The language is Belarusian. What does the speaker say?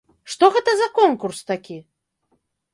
Што гэта за конкурс такі?!